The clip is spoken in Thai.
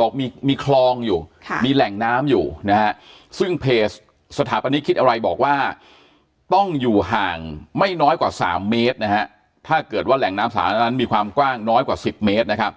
บอกมีคลองอยู่มีแหล่งน้ำอยู่นะฮะซึ่งเพจสถาปนิกคิดอะไรบอกว่าต้องอยู่ห่างไม่น้อยกว่า๓เมตรนะฮะถ้าเกิดว่าแหล่งน้ำสาธารณะนั้นมีความกว้างน้อยกว่า๑๐เมตรนะครับ